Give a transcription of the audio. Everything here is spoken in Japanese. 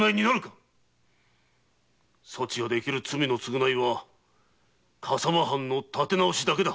そちができる罪の償いは笠間藩の建て直しだけだ。